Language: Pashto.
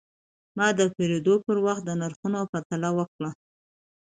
ما د پیرود پر وخت د نرخونو پرتله وکړه.